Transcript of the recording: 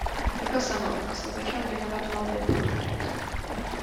Jako samouk se začal věnovat malbě portrétů.